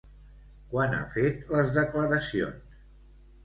Quan ha fet les declaracions?